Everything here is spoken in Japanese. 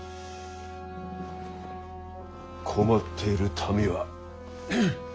困っている民は。